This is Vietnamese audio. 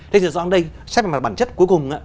thế thì dự án đây sẽ là bản chất cuối cùng